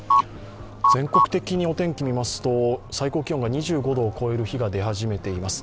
全国的にお天気を見ますと最高気温が２５度を超える日が出始めています。